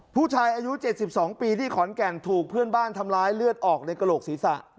ผู้ชายอายุ๗๒ปีที่ขอนแก่นถูกเพื่อนบ้านทำร้ายเลือดออกในกระโหลกศีรษะ